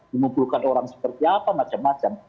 mengumpulkan orang seperti apa macam macam